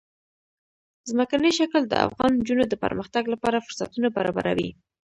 ځمکنی شکل د افغان نجونو د پرمختګ لپاره فرصتونه برابروي.